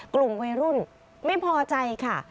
กลุ่มวัยรุ่นไม่พอใจค่ะ